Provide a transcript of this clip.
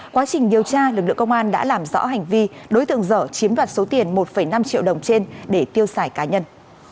quá trình điều tra lực lượng công an đã làm rõ hành vi đối tượng dở chiếm đoạt số tiền một năm triệu đồng trên để tiêu xài cá nhân